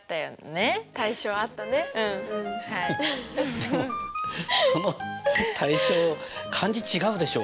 でもその大正漢字違うでしょ。